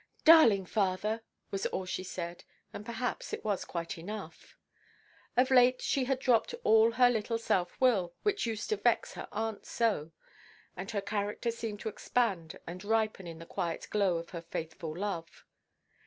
"Darling father!" was all she said; and perhaps it was quite enough. Of late she had dropped all her little self–will (which used to vex her aunt so), and her character seemed to expand and ripen in the quiet glow of her faithful love.